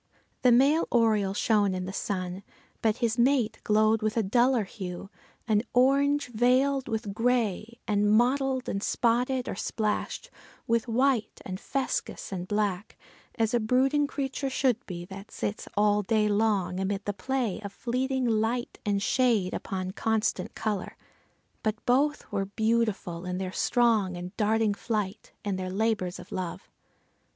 The male oriole shone in the sun, but his mate glowed with a duller hue, an orange veiled with gray, and mottled and spotted or splashed with white and fuscous and black, as a brooding creature should be that sits all day long amid the play of fleeting light and shade upon constant color. But both were beautiful in their strong and darting flight, and their labors of love.